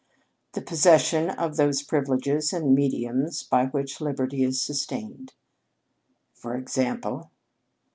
"The possession of those privileges and mediums by which liberty is sustained." "For example?"